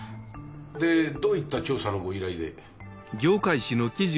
でどういった調査のご依頼で？